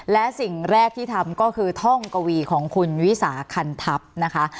และสิ่งแรกที่ทำก็คือท่องกวีของคุณวิสาคันทัพนะคะ